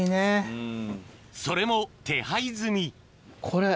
それも手配済みこれ。